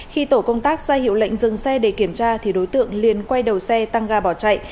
khi tổ công tác ra hiệu lệnh dừng xe để kiểm tra thì đối tượng liền quay đầu xe tăng ga bỏ chạy